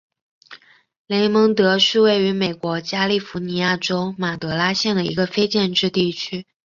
雷蒙德是位于美国加利福尼亚州马德拉县的一个非建制地区。